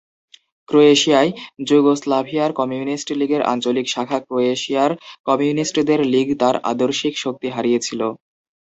ক্রোয়েশিয়ায়, যুগোস্লাভিয়ার কমিউনিস্ট লীগের আঞ্চলিক শাখা ক্রোয়েশিয়ার কমিউনিস্টদের লীগ তার আদর্শিক শক্তি হারিয়েছিল।